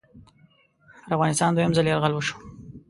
پر افغانستان دوهم ځل یرغل وشو.